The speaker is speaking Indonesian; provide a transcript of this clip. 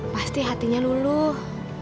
pasti hatinya luluh